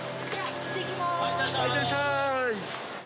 いってらっしゃい！